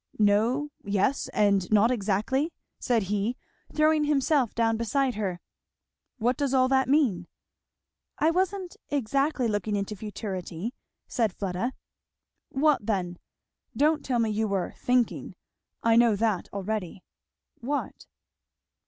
"No, yes, and not exactly!" said he throwing himself down beside her. " What does all that mean?" "I wasn't exactly looking into futurity," said Fleda. "What then? Don't tell me you were 'thinking;' I know that dready. What?"